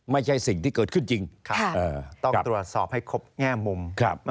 ไม่ใช่สิ่งที่เกิดขึ้นจริงต้องตรวจสอบให้ครบแง่มุม